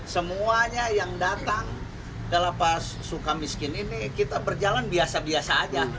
semuanya yang datang ke lapas suka miskin ini kita berjalan biasa biasa aja